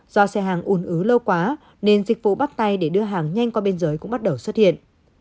do xe hàng ùn ứ lâu quá nên dịch vụ bắt tay để đưa hàng nhanh qua biên giới cũng bắt đầu xuất hiện